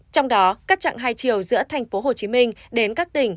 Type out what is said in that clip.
trong đó các trạng hai chiều giữa thành phố hồ chí minh đến các tỉnh